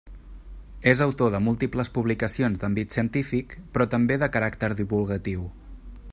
És autor de múltiples publicacions d'àmbit científic però també de caràcter divulgatiu.